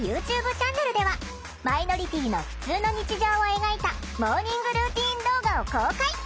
チャンネルではマイノリティーのふつうの日常を描いたモーニングルーティン動画を公開！